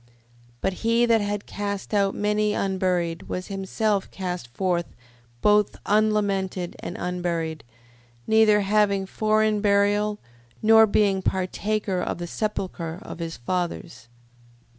But he that had cast out many unburied, was himself cast forth both unlamented and unburied, neither having foreign burial, nor being partaker of the sepulchre of his fathers.